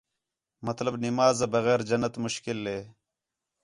مطلب نماز آ بغیر جنّت مشکل ہِے